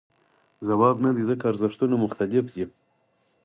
ځواب نه دی ځکه ارزښتونه مختلف دي.